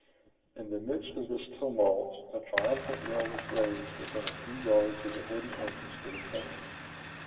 In the midst of this tumult, a triumphant yell was raised within a few yards of the hidden entrance to the cave.